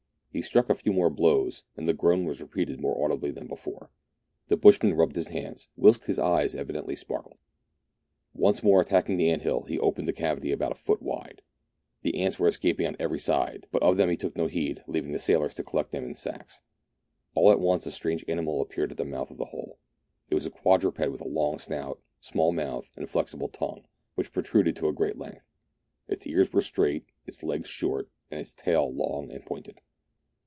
He struck a few more blows, and the groan was repeated more audibly than before. The bushman rubbed his hands, whilst his eyes evidently sparkled. Once more attacking the ant hill, he opened a cavity about a foot wide. The ants were escaping on every side; but of them he took no heed, leaving the sailors to collect them in sacks. * All at once a strange animal appeared at the mouth of the hole. It was a quadruped with a long snout, small mouth, and flexible tongue, which protruded to a great length ; its ears were straight, its legs short, and its tail long and pointed.